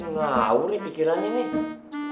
ngagur nih pikirannya nih